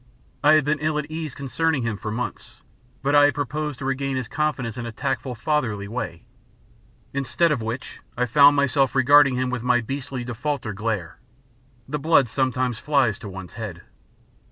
I had been ill at ease concerning him for months, but I had proposed to regain his confidence in a tactful, fatherly way. Instead of which I found myself regarding him with my beastly defaulter glare. The blood sometimes flies to one's head.